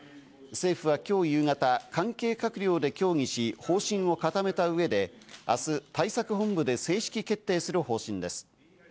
政府は今日夕方、関係閣僚で協議し方針を固めた上で、明日、対策本部で正式決定する方針です。